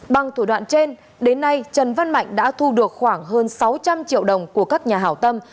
bằng thủ đoạn trên đến nay trần văn mạnh đã thu được khoảng hơn sáu trăm linh triệu đồng của các nhà hảo tâm